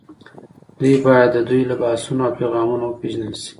دوی باید د دوی له بحثونو او پیغامونو وپېژندل شي